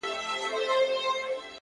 خوښې غواړو غم نه غواړو عجيبه نه ده دا _